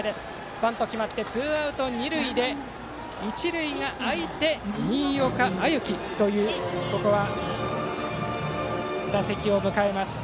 バントが決まってツーアウト二塁一塁が空いて新岡歩輝が打席を迎えます。